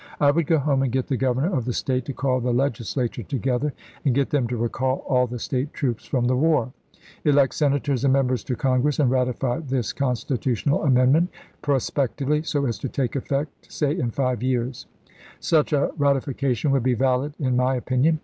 I would go home and get the Governor of the State to call the Legislature together, and get them to recall all the State troops from the war; elect Senators and Members to Congress, and ratify this constitutional amendment prospectively, so as to take effect — say in five years, Such a ratifica tion would be valid, in my opinion.